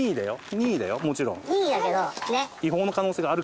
任意だよもちろん。